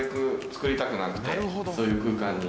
そういう空間に。